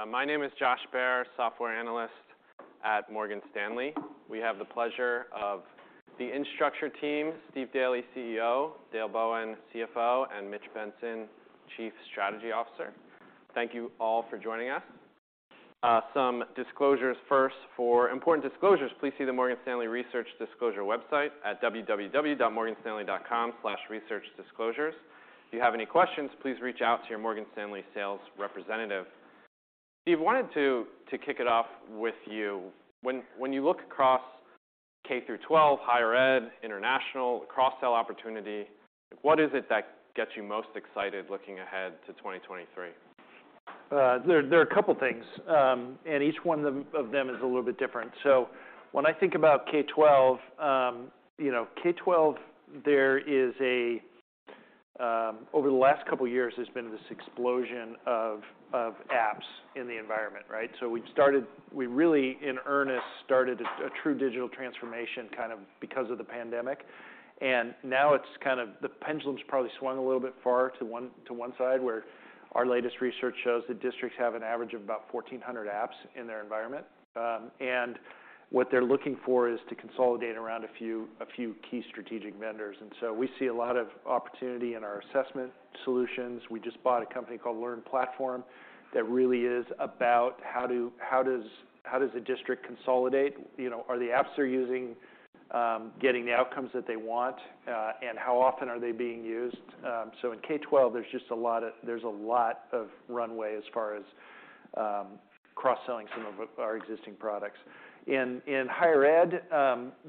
We're on. My name is Josh Baer, software analyst at Morgan Stanley. We have the pleasure of the Instructure team, Steve Daly, CEO, Dale Bowen, CFO, and Mitch Benson, Chief Strategy Officer. Thank you all for joining us. Some disclosures first. For important disclosures, please see the Morgan Stanley Research Disclosure website at www.morganstanley.com/researchdisclosures. If you have any questions, please reach out to your Morgan Stanley sales representative. Steve, wanted to kick it off with you. When you look across K–12, higher ed, international, cross-sell opportunity, what is it that gets you most excited looking ahead to 202? There are a couple things, and each one of them is a little bit different. When I think about K-12, you know, K-12 there is a. Over the last couple years, there's been this explosion of apps in the environment, right? We really in earnest started a true digital transformation kind of because of the pandemic. Now it's kind of the pendulum's probably swung a little bit far to one side, where our latest research shows that districts have an average of about 1,400 apps in their environment. What they're looking for is to consolidate around a few key strategic vendors. We see a lot of opportunity in our assessment solutions. We just bought a company called LearnPlatform that really is about how to. How does a district consolidate? You know, are the apps they're using, getting the outcomes that they want, and how often are they being used? In K–12, there's a lot of runway as far as cross-selling some of our existing products. In higher ed,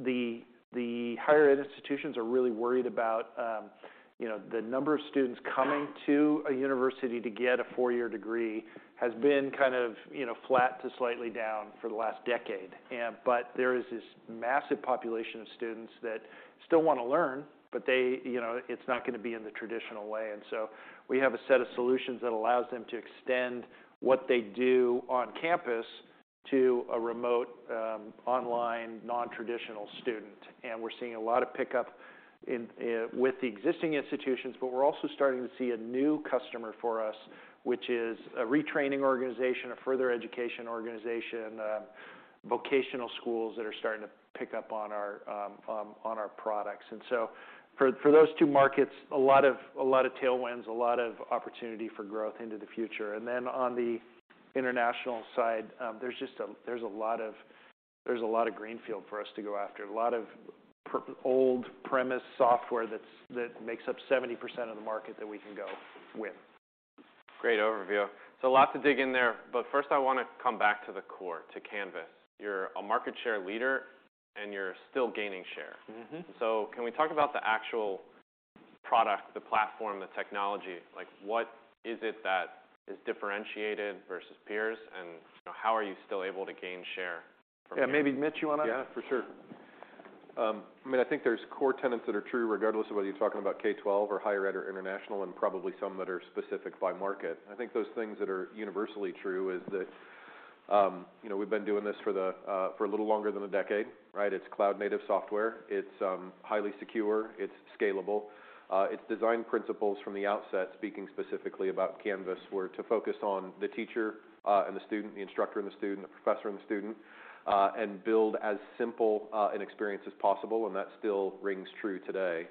the higher ed institutions are really worried about, you know, the number of students coming to a university to get a four-year degree has been kind of, you know, flat to slightly down for the last decade. There is this massive population of students that still wanna learn, but they, you know, it's not gonna be in the traditional way. We have a set of solutions that allows them to extend what they do on campus to a remote, online non-traditional student. We're seeing a lot of pickup in with the existing institutions, but we're also starting to see a new customer for us, which is a retraining organization, a further education organization, vocational schools that are starting to pick up on our products. For those two markets, a lot of tailwinds, a lot of opportunity for growth into the future. On the international side, there's a lot of greenfield for us to go after, a lot of old premise software that's, that makes up 70% of the market that we can go win. Great overview. A lot to dig in there. First I wanna come back to the core, to Canvas. You're a market share leader, and you're still gaining share. Mm-hmm. Can we talk about the actual product, the platform, the technology? Like what is it that is differentiated versus peers, and, you know, how are you still able to gain share? Yeah, maybe Mitch, you wanna? Yeah, for sure. I mean, I think there's core tenets that are true regardless of whether you're talking about K–12 or higher ed or international, and probably some that are specific by market. I think those things that are universally true is that, you know, we've been doing this for the for a little longer than a decade, right? It's cloud-native software. It's highly secure. It's scalable. Its design principles from the outset, speaking specifically about Canvas, were to focus on the teacher, and the student, the instructor and the student, the professor and the student, and build as simple an experience as possible, and that still rings true today.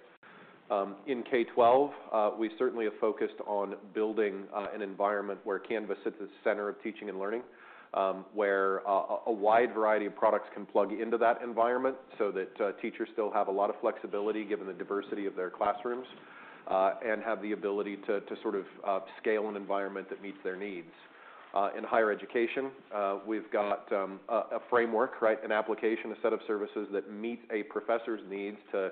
In K–12, we certainly have focused on building an environment where Canvas sits at the center of teaching and learning, where a wide variety of products can plug into that environment, so that teachers still have a lot of flexibility given the diversity of their classrooms, and have the ability to sort of scale an environment that meets their needs. In higher education, we've got a framework, right? An application, a set of services that meets a professor's needs to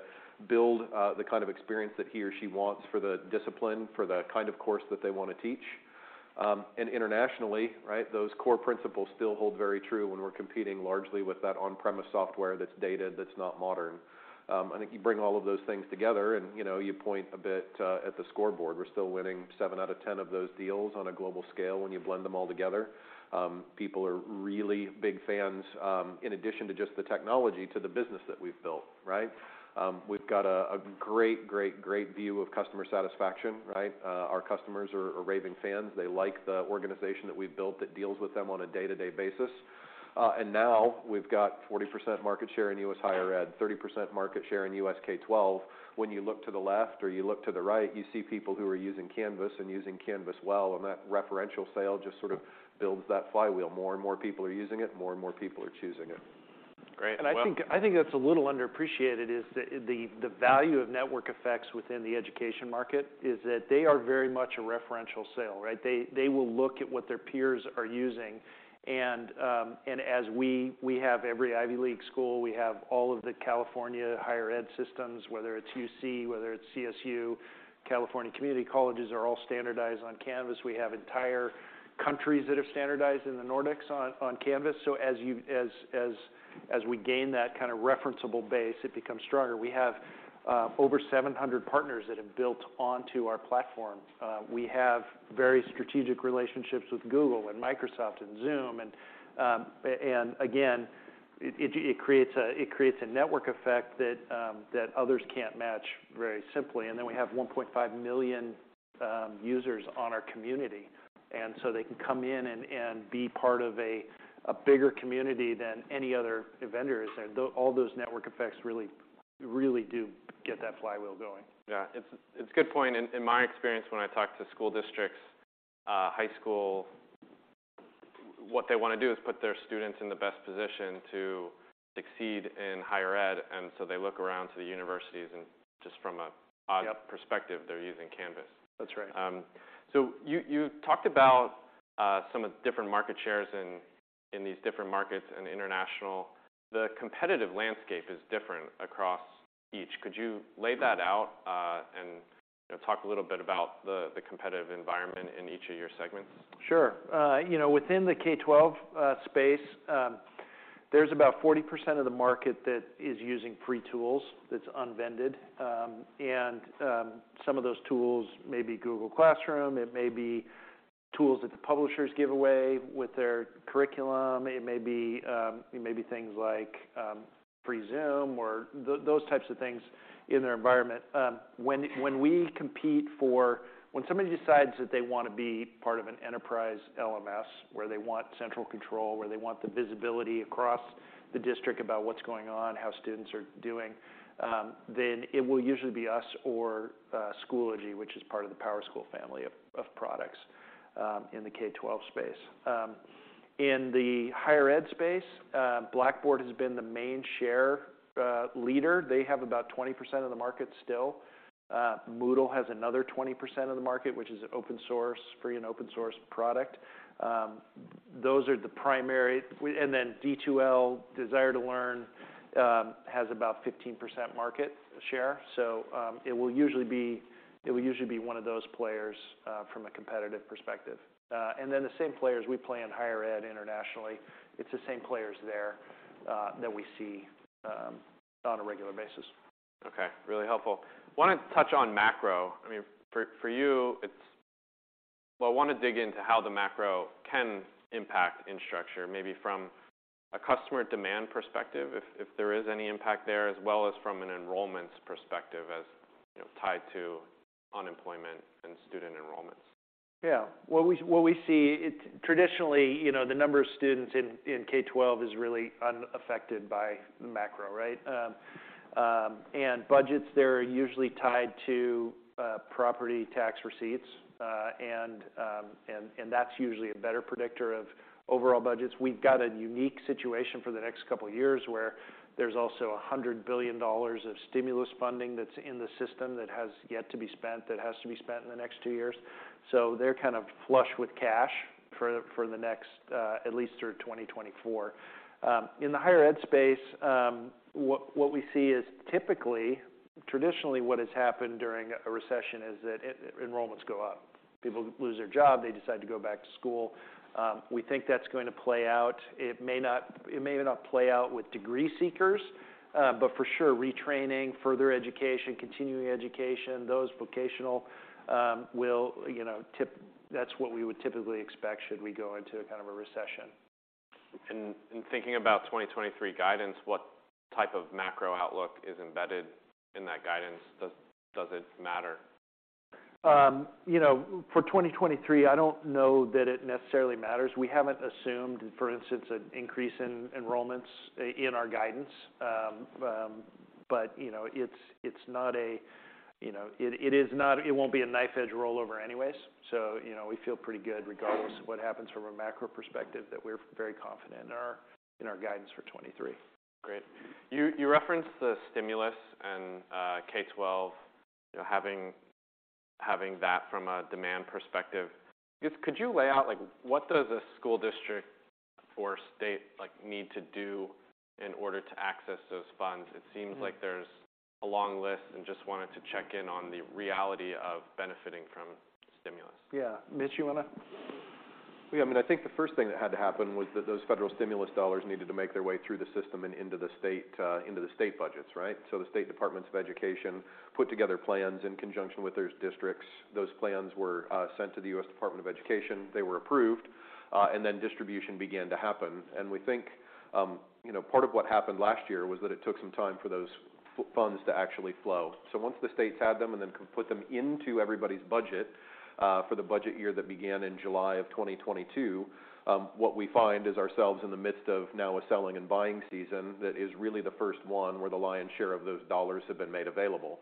build the kind of experience that he or she wants for the discipline, for the kind of course that they want to teach. Internationally, right, those core principles still hold very true when we're competing largely with that on-premise software that's dated, that's not modern. I think you bring all of those things together and, you know, you point a bit at the scoreboard. We're still winning seven out of 10 of those deals on a global scale when you blend them all together. People are really big fans, in addition to just the technology to the business that we've built, right? We've got a great, great view of customer satisfaction, right? Our customers are raving fans. They like the organization that we've built that deals with them on a day-to-day basis. Now we've got 40% market share in U.S. higher ed, 30% market share in U.S. K–12. When you look to the left or you look to the right, you see people who are using Canvas and using Canvas well, and that referential sale just sort of builds that flywheel. More and more people are using it, more and more people are choosing it. Great. I think that's a little underappreciated is the value of network effects within the education market is that they are very much a referential sale, right? They will look at what their peers are using. As we have every Ivy League school, we have all of the California higher ed systems, whether it's UC, whether it's CSU, California community colleges are all standardized on Canvas. We have entire countries that have standardized in the Nordics on Canvas. As we gain that kind of referenceable base, it becomes stronger. We have over 700 partners that have built onto our platform. We have very strategic relationships with Google and Microsoft and Zoom, and it creates a network effect that others can't match very simply. We have 1.5 million users on our community, and so they can come in and be part of a bigger community than any other vendors. all those network effects really do get that flywheel going. Yeah. It's a good point. In my experience, when I talk to school districts, high school, what they wanna do is put their students in the best position to succeed in higher ed. They look around to the universities. Yep... odd perspective, they're using Canvas. That's right. You, you've talked about some of different market shares in these different markets and international. The competitive landscape is different across each. Could you lay that out, and you know, talk a little bit about the competitive environment in each of your segments? Sure. You know, within the K–12 space, there's about 40% of the market that is using free tools that's unvended. Some of those tools may be Google Classroom, it may be tools that the publishers give away with their curriculum, it may be things like free Zoom or those types of things in their environment. When somebody decides that they wanna be part of an enterprise LMS, where they want central control, where they want the visibility across the district about what's going on, how students are doing, then it will usually be us or Schoology, which is part of the PowerSchool family of products in the K–12 space. In the higher ed space, Blackboard has been the main share leader. They have about 20% of the market still. Moodle has another 20% of the market, which is an open source, free and open source product. Those are the primary... D2L, Desire2Learn, has about 15% market share. It will usually be one of those players from a competitive perspective. The same players we play in higher ed internationally, it's the same players there that we see on a regular basis. Okay. Really helpful. Wanna touch on macro. I mean, for you, Well, I wanna dig into how the macro can impact Instructure, maybe from a customer demand perspective, if there is any impact there, as well as from an enrollments perspective as, you know, tied to unemployment and student enrollments. Yeah. What we see, it's traditionally, you know, the number of students in K–12 is really unaffected by the macro, right? And budgets there are usually tied to property tax receipts. And that's usually a better predictor of overall budgets. We've got a unique situation for the next couple of years, where there's also $100 billion of stimulus funding that's in the system that has yet to be spent, that has to be spent in the next two years. They're kind of flush with cash for the next, at least through 2024. In the higher ed space, what we see is typically, traditionally, what has happened during a recession is that enrollments go up. People lose their job, they decide to go back to school. We think that's going to play out. It may not, it may not play out with degree seekers, but for sure, retraining, further education, continuing education, those vocational, will, you know, that's what we would typically expect should we go into kind of a recession. In thinking about 2023 guidance, what type of macro outlook is embedded in that guidance? Does it matter? You know, for 2023, I don't know that it necessarily matters. We haven't assumed, for instance, an increase in enrollments in our guidance. You know, it's not a, you know. It won't be a knife-edge rollover anyways. You know, we feel pretty good regardless of what happens from a macro perspective, that we're very confident in our guidance for 2023. Great. You referenced the stimulus and K–12, you know, having that from a demand perspective. Could you lay out, like what does a school district or state, like, need to do in order to access those funds? It seems like there's a long list, and just wanted to check in on the reality of benefiting from stimulus. Yeah. Mitch, you wanna? Yeah. I mean, I think the first thing that had to happen was that those federal stimulus dollars needed to make their way through the system and into the state, into the state budgets, right? The state departments of education put together plans in conjunction with those districts. Those plans were sent to the U.S. Department of Education. They were approved, distribution began to happen. We think, you know, part of what happened last year was that it took some time for those funds to actually flow. Once the states had them and then could put them into everybody's budget, for the budget year that began in July of 2022, what we find is ourselves in the midst of now a selling and buying season that is really the first one where the lion's share of those dollars have been made available.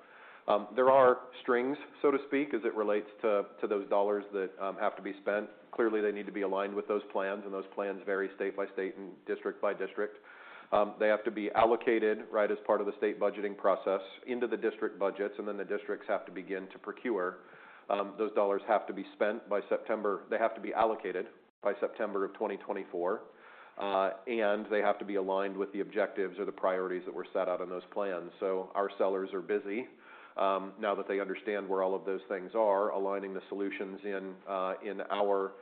There are strings, so to speak, as it relates to those dollars that have to be spent. Clearly, they need to be aligned with those plans, and those plans vary state by state and district by district. They have to be allocated, right, as part of the state budgeting process into the district budgets, and then the districts have to begin to procure. Those dollars have to be spent by September. They have to be allocated by September of 2024, and they have to be aligned with the objectives or the priorities that were set out in those plans. Our sellers are busy, now that they understand where all of those things are, aligning the solutions in our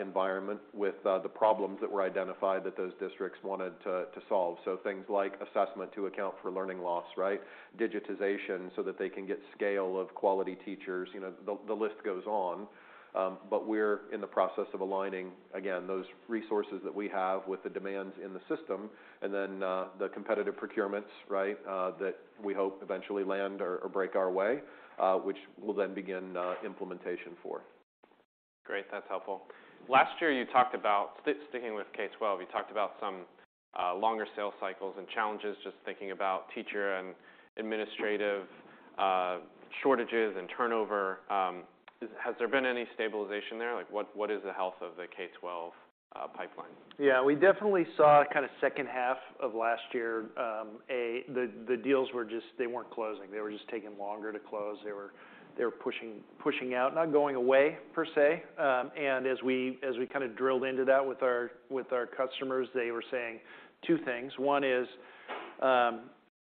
environment with the problems that were identified that those districts wanted to solve. Things like assessment to account for learning loss, right? Digitization so that they can get scale of quality teachers. You know, the list goes on. We're in the process of aligning, again, those resources that we have with the demands in the system, and then the competitive procurements, right, that we hope eventually land or break our way, which we'll then begin implementation for. Great. That's helpful. Last year you talked about, sticking with K–12, you talked about some longer sales cycles and challenges, just thinking about teacher and administrative shortages and turnover. Has there been any stabilization there? Like what is the health of the K–12 pipeline? Yeah, we definitely saw kinda second half of last year, the deals weren't closing. They were just taking longer to close. They were pushing out, not going away per se. As we kinda drilled into that with our customers, they were saying two things. One is,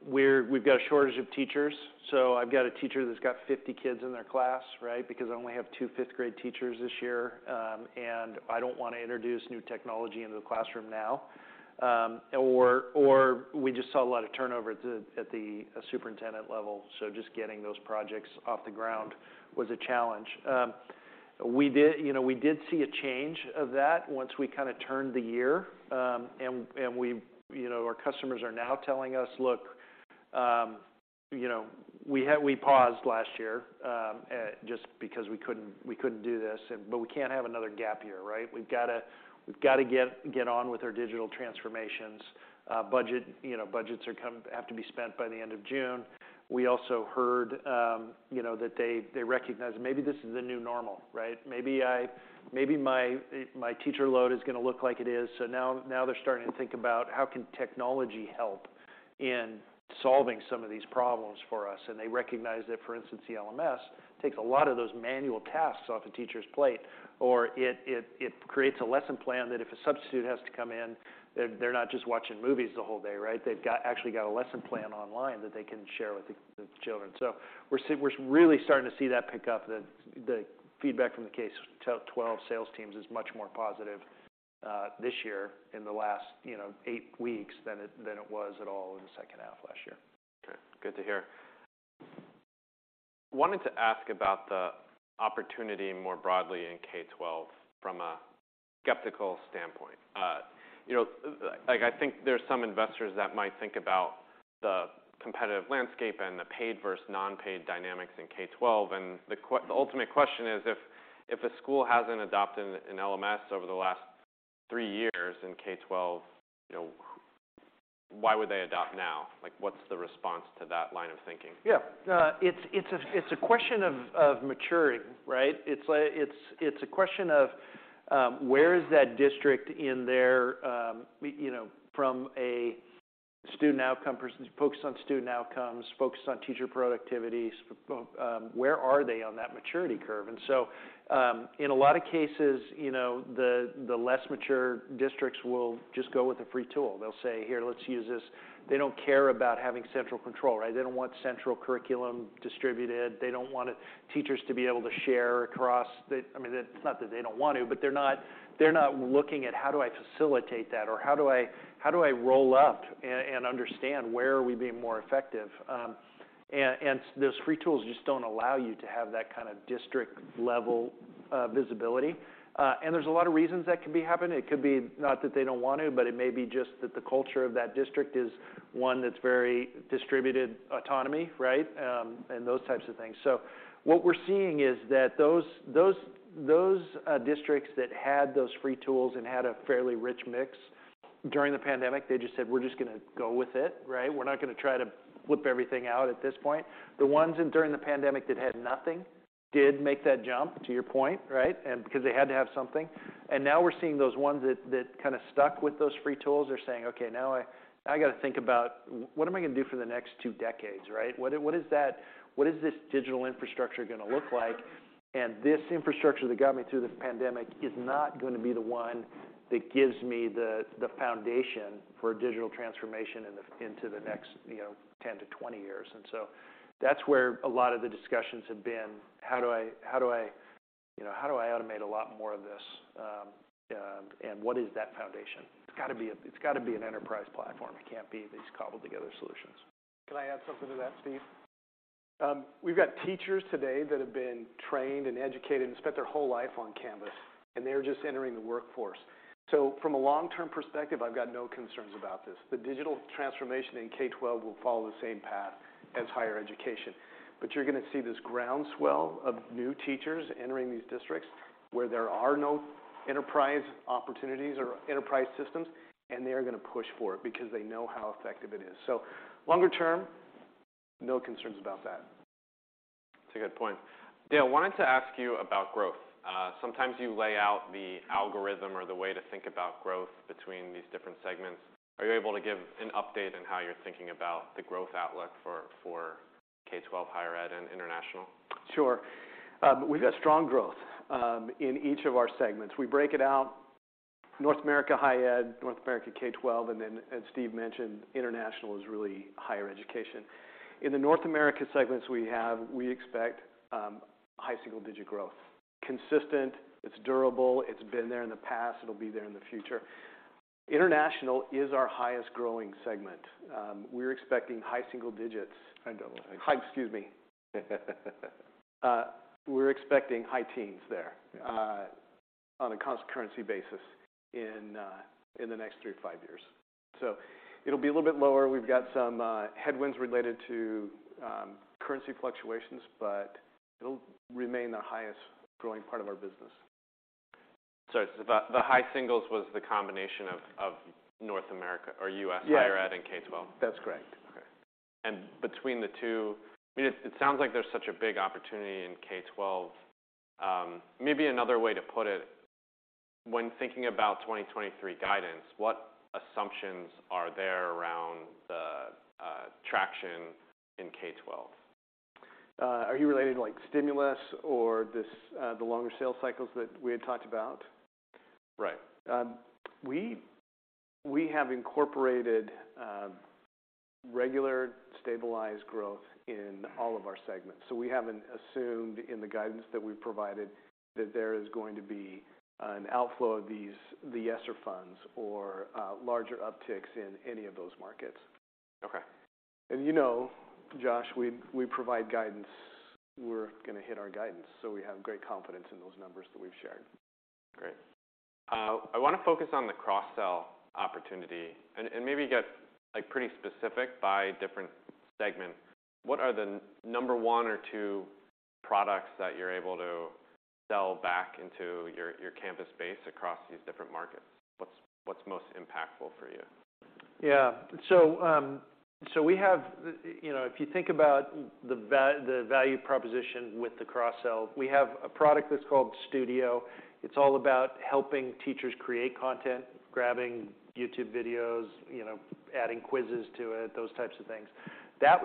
we've got a shortage of teachers, so I've got a teacher that's got 50 kids in their class, right? Because I only have two 5th grade teachers this year, I don't wanna introduce new technology into the classroom now. Or we just saw a lot of turnover at the superintendent level, just getting those projects off the ground was a challenge. We did, you know, see a change of that once we kinda turned the year. And we, you know, our customers are now telling us, "Look, you know, we paused last year, just because we couldn't do this but we can't have another gap year, right? We've gotta get on with our digital transformations." Budget, you know, budgets have to be spent by the end of June. We also heard, you know, that they recognize maybe this is the new normal, right? Maybe my teacher load is gonna look like it is. Now they're starting to think about how can technology help in solving some of these problems for us. They recognize that, for instance, the LMS takes a lot of those manual tasks off a teacher's plate, or it creates a lesson plan that if a substitute has to come in, they're not just watching movies the whole day, right? They've actually got a lesson plan online that they can share with the children. We're really starting to see that pick up. The feedback from the K–12 sales teams is much more positive this year in the last, you know, eight weeks than it was at all in the second half last year. Okay, good to hear. Wanted to ask about the opportunity more broadly in K–12 from a skeptical standpoint. You know, like I think there's some investors that might think about the competitive landscape and the paid versus non-paid dynamics in K–12. The ultimate question is, if a school hasn't adopted an LMS over the last three years in K–12, you know, why would they adopt now? Like, what's the response to that line of thinking? Yeah. It's, it's a, it's a question of maturing, right? It's like it's a question of, where is that district in their, you know, from a student outcome person focused on student outcomes, focused on teacher productivities, where are they on that maturity curve? In a lot of cases, you know, the less mature districts will just go with a free tool. They'll say, "Here, let's use this." They don't care about having central control, right? They don't want central curriculum distributed. They don't want it teachers to be able to share across the... I mean, it's not that they don't want to, but they're not, they're not looking at how do I facilitate that or how do I roll up and understand where are we being more effective. Those free tools just don't allow you to have that kind of district level visibility. There's a lot of reasons that could be happening. It could be not that they don't want to, but it may be just that the culture of that district is one that's very distributed autonomy, right? Those types of things. What we're seeing is that those districts that had those free tools and had a fairly rich mix during the pandemic, they just said, "We're just gonna go with it," right? "We're not gonna try to whip everything out at this point." The ones that during the pandemic that had nothing did make that jump to your point, right? Because they had to have something. Now we're seeing those ones that kinda stuck with those free tools. They're saying, "Okay, now I gotta think about what am I gonna do for the next two decades," right? What is that? What is this digital infrastructure gonna look like? This infrastructure that got me through this pandemic is not gonna be the one that gives me the foundation for a digital transformation into the next, you know, 10-20 years. That's where a lot of the discussions have been: how do I, how do I, you know, how do I automate a lot more of this? And what is that foundation? It's gotta be an enterprise platform. It can't be these cobbled together solutions. Can I add something to that, Steve? We've got teachers today that have been trained and educated and spent their whole life on Canvas, and they're just entering the workforce. From a long-term perspective, I've got no concerns about this. The digital transformation in K–12 will follow the same path as higher education, you're gonna see this groundswell of new teachers entering these districts where there are no enterprise opportunities or enterprise systems, they are gonna push for it because they know how effective it is. Longer term, no concerns about that. That's a good point. Dale, wanted to ask you about growth. sometimes you lay out the algorithm or the way to think about growth between these different segments. Are you able to give an update on how you're thinking about the growth outlook for K–12, higher ed, and international? Sure. We've got strong growth in each of our segments. We break it out North America, high ed, North America K–12, and then as Steve mentioned, international is really higher education. In the North America segments we have, we expect high single-digit growth. Consistent, it's durable, it's been there in the past, it'll be there in the future. International is our highest growing segment. We're expecting high single digits. High double. Excuse me. We're expecting high teens% there. On a constant currency basis in the next three to five years. It'll be a little bit lower. We've got some headwinds related to currency fluctuations, it'll remain the highest growing part of our business. Sorry, the high singles was the combination of North America or U.S.- Yeah... higher ed and K–12? That's correct. Okay. Between the two, I mean, it sounds like there's such a big opportunity in K–12. Maybe another way to put it, when thinking about 2023 guidance, what assumptions are there around the traction in K–12? Are you relating to like stimulus or this, the longer sales cycles that we had talked about? Right. We have incorporated regular stabilized growth in all of our segments. We haven't assumed in the guidance that we've provided that there is going to be an outflow of these, the ESSER funds or larger upticks in any of those markets. Okay. you know, Josh, we provide guidance. We're gonna hit our guidance, so we have great confidence in those numbers that we've shared. Great. I wanna focus on the cross-sell opportunity and maybe get like pretty specific by different segment. What are the number one or two products that you're able to sell back into your campus base across these different markets? What's most impactful for you? Yeah. We have, you know, if you think about the value proposition with the cross-sell, we have a product that's called Studio. It's all about helping teachers create content, grabbing YouTube videos, you know, adding quizzes to it, those types of things. That's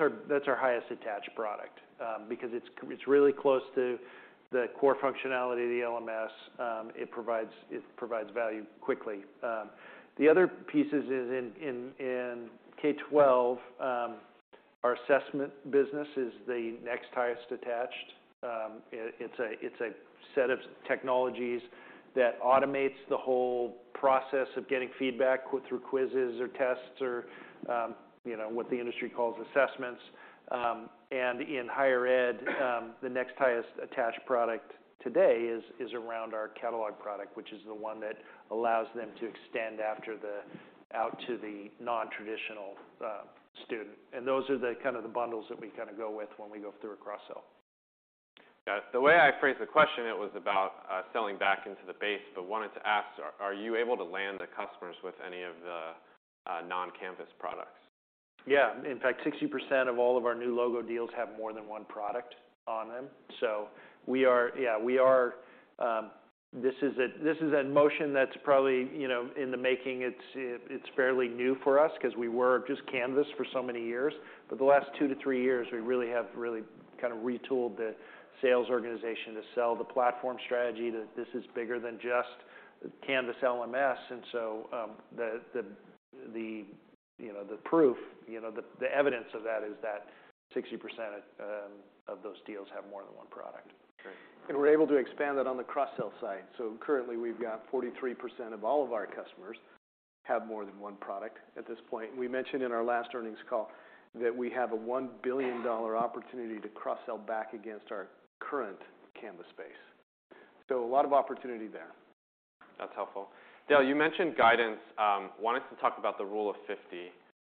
our highest attached product because it's really close to the core functionality of the LMS. It provides value quickly. The other pieces is in K–12, our assessment business is the next highest attached. It's a set of technologies that automates the whole process of getting feedback through quizzes or tests or, you know, what the industry calls assessments. In higher ed, the next highest attached product today is around our catalog product, which is the one that allows them to extend out to the non-traditional student. Those are the kind of the bundles that we kinda go with when we go through a cross-sell. Got it. The way I phrased the question, it was about selling back into the base, but wanted to ask, are you able to land the customers with any of the non-campus products? Yeah. In fact, 60% of all of our new logo deals have more than one product on them. Yeah, we are, this is a, this is a motion that's probably, you know, in the making. It's, it's fairly new for us 'cause we were just Canvas for so many years. The last two-three years, we really have kind of retooled the sales organization to sell the platform strategy, that this is bigger than just Canvas LMS. The, the, you know, the proof, you know, the evidence of that is that 60% of those deals have more than one product. Great. We're able to expand that on the cross-sell side. Currently, we've got 43% of all of our customers have more than one product at this point. We mentioned in our last earnings call that we have a $1 billion opportunity to cross-sell back against our current Canvas base. A lot of opportunity there. That's helpful. Dale, you mentioned guidance. wanted to talk about the Rule of 50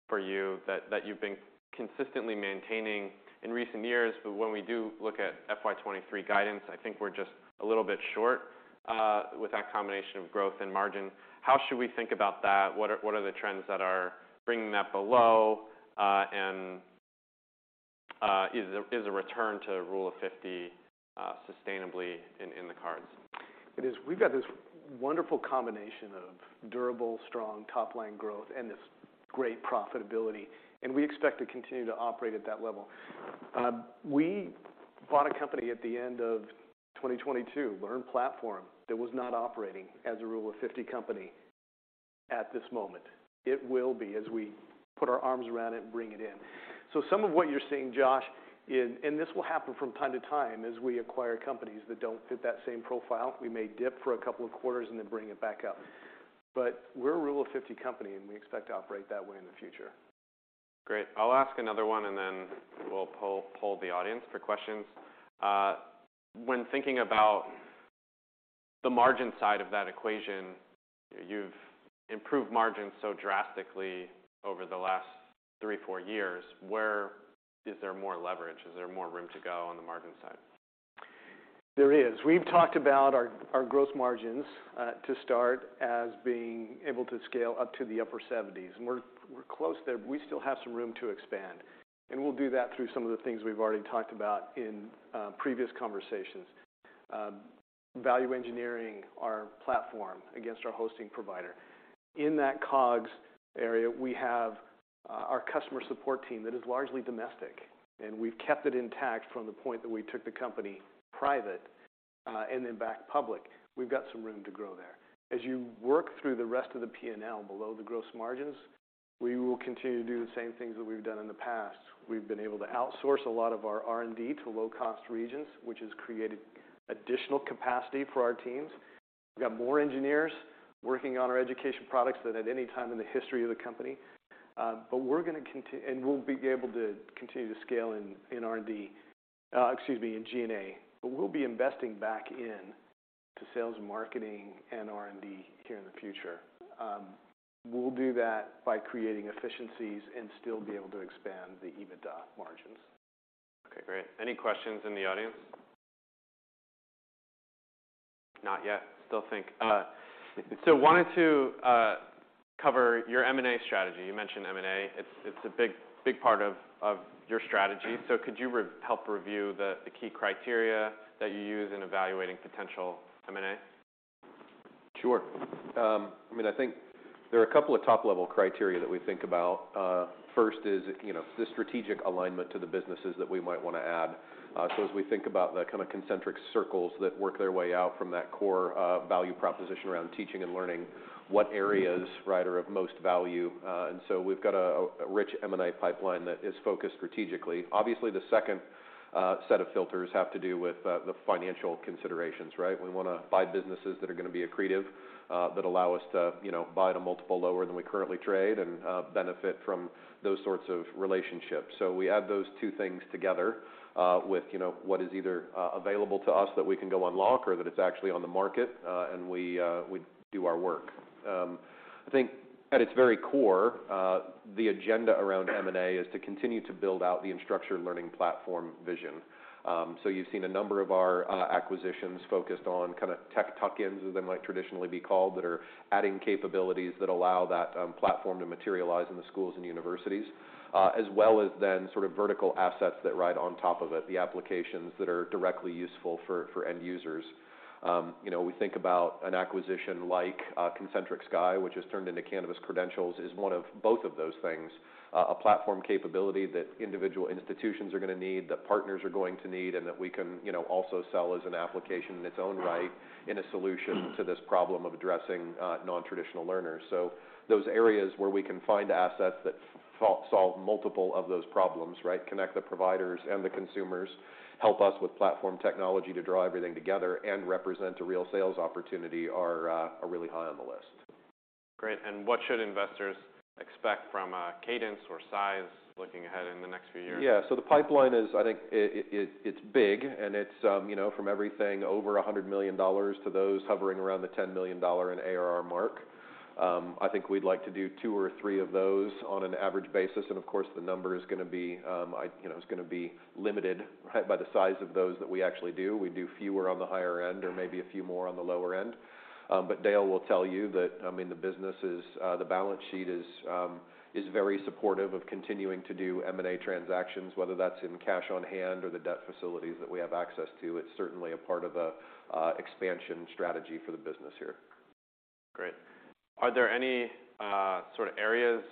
for you that you've been consistently maintaining in recent years. When we do look at FY 2023 guidance, I think we're just a little bit short, with that combination of growth and margin. How should we think about that? What are the trends that are bringing that below? Is a return to Rule of 50 sustainably in the cards? It is. We've got this wonderful combination of durable, strong top-line growth and this great profitability. We expect to continue to operate at that level. We bought a company at the end of 2022, LearnPlatform, that was not operating as a Rule of 50 company at this moment. It will be as we put our arms around it and bring it in. Some of what you're seeing, Josh, and this will happen from time to time as we acquire companies that don't fit that same profile. We may dip for a couple of quarters and then bring it back up. We're a Rule of 50 company, and we expect to operate that way in the future. Great. I'll ask another one. Then we'll poll the audience for questions. When thinking about the margin side of that equation, you've improved margins so drastically over the last three, four years. Where is there more leverage? Is there more room to go on the margin side? There is. We've talked about our gross margins to start as being able to scale up to the upper seventies, and we're close there, but we still have some room to expand. We'll do that through some of the things we've already talked about in previous conversations. Value engineering our platform against our hosting provider. In that COGS area, we have our customer support team that is largely domestic. We've kept it intact from the point that we took the company private and then back public. We've got some room to grow there. As you work through the rest of the P&L below the gross margins, we will continue to do the same things that we've done in the past. We've been able to outsource a lot of our R&D to low-cost regions, which has created additional capacity for our teams. We've got more engineers working on our education products than at any time in the history of the company. We'll be able to continue to scale in R&D, excuse me, in G&A. We'll be investing back in to sales and marketing and R&D here in the future. We'll do that by creating efficiencies and still be able to expand the EBITDA margins. Okay, great. Any questions in the audience? Not yet. Still think. Wanted to cover your M&A strategy. You mentioned M&A. It's a big part of your strategy. Could you help review the key criteria that you use in evaluating potential M&A? Sure. I mean, I think there are a couple of top-level criteria that we think about. First is, you know, the strategic alignment to the businesses that we might wanna add. So as we think about the kinda concentric circles that work their way out from that core, value proposition around teaching and learning, what areas, right, are of most value. And so we've got a rich M&A pipeline that is focused strategically. Obviously, the second set of filters have to do with the financial considerations, right? We wanna buy businesses that are gonna be accretive, that allow us to, you know, buy at a multiple lower than we currently trade and benefit from those sorts of relationships. We add those two things together, with, you know, what is either available to us that we can go unlock or that it's actually on the market, and we do our work. I think at its very core, the agenda around M&A is to continue to build out the Instructure Learning Platform vision. You've seen a number of our acquisitions focused on kind of tech tuck-ins, as they might traditionally be called, that are adding capabilities that allow that platform to materialize in the schools and universities, as well as then sort of vertical assets that ride on top of it, the applications that are directly useful for end users. You know, we think about an acquisition like Concentric Sky, which has turned into Canvas Credentials, is one of both of those things, a platform capability that individual institutions are gonna need, that partners are going to need, and that we can, you know, also sell as an application in its own right in a solution to this problem of addressing non-traditional learners. Those areas where we can find assets that so-solve multiple of those problems, right? Connect the providers and the consumers, help us with platform technology to draw everything together and represent a real sales opportunity are really high on the list. Great. What should investors expect from cadence or size looking ahead in the next few years? Yeah. The pipeline is, I think, it's big and it's, you know, from everything over $100 million to those hovering around the $10 million in ARR mark. I think we'd like to do two or three of those on an average basis. Of course, the number is gonna be, you know, it's gonna be limited, right, by the size of those that we actually do. We do fewer on the higher end or maybe a few more on the lower end. Dale will tell you that, I mean, the business is, the balance sheet is very supportive of continuing to do M&A transactions, whether that's in cash on hand or the debt facilities that we have access to. It's certainly a part of a expansion strategy for the business here. Great. Are there any, sort of areas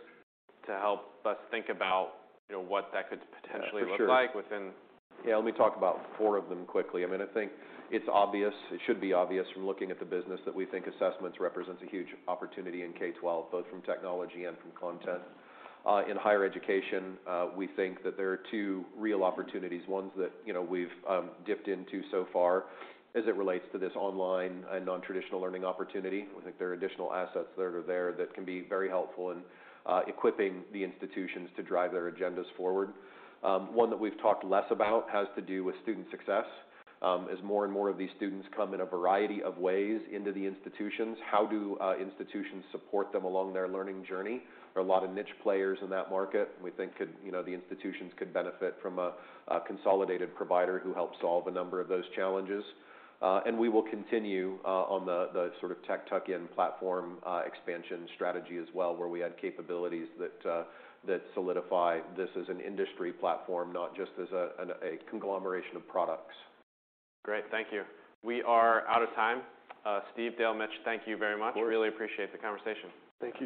to help us think about, you know, what that could potentially-? Yeah, for sure.... look like. Let me talk about four of them quickly. I mean, I think it's obvious, it should be obvious from looking at the business that we think assessments represents a huge opportunity in K–12, both from technology and from content. In higher education, we think that there are two real opportunities, ones that, you know, we've dipped into so far as it relates to this online and non-traditional learning opportunity. We think there are additional assets that are there that can be very helpful in equipping the institutions to drive their agendas forward. One that we've talked less about has to do with student success. As more and more of these students come in a variety of ways into the institutions, how do institutions support them along their learning journey? There are a lot of niche players in that market, and we think could, you know, the institutions could benefit from a consolidated provider who helps solve a number of those challenges. We will continue on the sort of tech tuck-in platform expansion strategy as well, where we add capabilities that solidify this as an industry platform, not just as a, an, a conglomeration of products. Great. Thank you. We are out of time. Steve, Dale, Mitch, thank you very much. Of course. Really appreciate the conversation. Thank you.